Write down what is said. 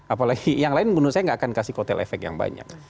apalagi yang lain menurut saya nggak akan kasih kotel efek yang banyak